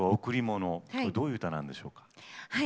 どういう歌なんでしょうか？